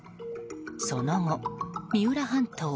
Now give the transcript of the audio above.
その後、三浦半島